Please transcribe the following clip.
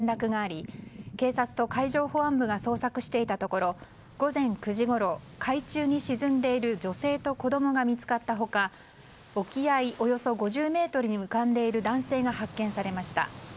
家族３人が海に出かけてから帰らないと警察に連絡があり警察と海上保安部が捜索していたところ午前９時ごろ海中に沈んでいる女性と子供が見つかった他沖合およそ５０ｍに浮かんでいる男性が発見されました。